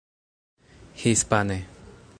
hispane